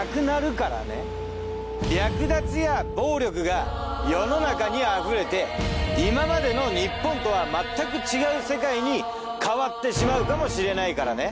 略奪や暴力が世の中に溢れて今までの日本とはまったく違う世界に変わってしまうかもしれないからね？